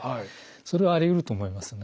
それはありうると思いますね。